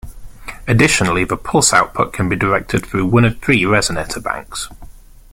Additionally, the pulse output can be directed through one of three resonator banks.